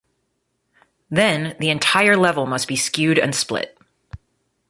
Then, the entire level must be skewed and split.